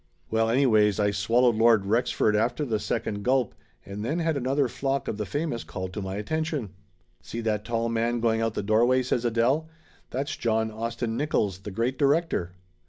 Well, anyways, I swallowed Lord Rexford after the 86 Laughter Limited second gulp, and then had another flock of the famous called to my attention. "See that tall man going out the doorway?" says Adele. "That's John Austin Nickolls, the great di rector."